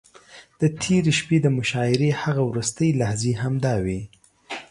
د تېرې شپې د مشاعرې هغه وروستۍ لحظې همداوې.